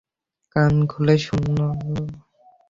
কান খুলে শুনুন!